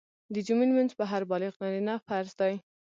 د جمعي لمونځ په هر بالغ نارينه فرض دی